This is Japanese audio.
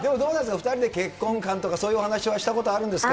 ２人で結婚観とか、そういうお話はしたことあるんですか？